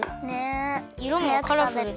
いろもカラフルできれい。